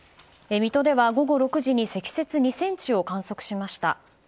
水戸では午後６時に積雪２ｃｍを観測しました。